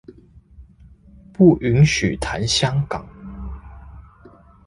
不允許談香港